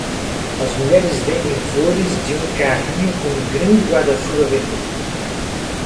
As mulheres vendem flores de um carrinho com um grande guarda-chuva vermelho.